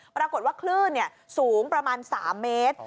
ปรากฏว่าคลื่นเนี่ยสูงประมาณสามเมตรอ๋อ